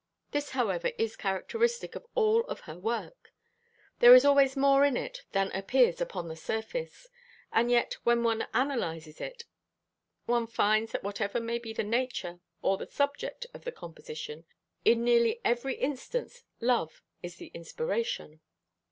This, however, is characteristic of all of her work. There is always more in it than appears upon the surface. And yet when one analyzes it, one finds that whatever may be the nature or the subject of the composition, in nearly every instance love is the inspiration.